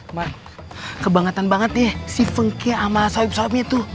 umi kebangetan banget ya si fengke sama soib soibnya tuh